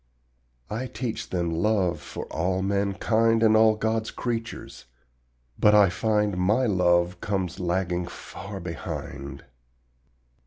I teach them LOVE for all mankind And all God's creatures, but I find My love comes lagging far behind.